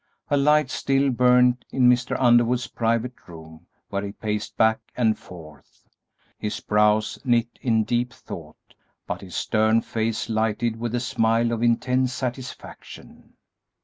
A light still burned in Mr. Underwood's private room, where he paced back and forth, his brows knit in deep thought, but his stern face lighted with a smile of intense satisfaction.